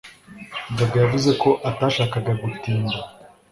gaga yavuze ko atashakaga gutinda.